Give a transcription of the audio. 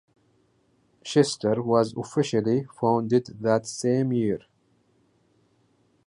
Chester was officially founded that same year.